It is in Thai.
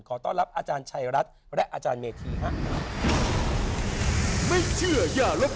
ขอต้อนรับอาจารย์ชัยรัฐและอาจารย์เมธีครับ